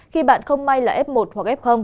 khi bạn không may là f một hoặc f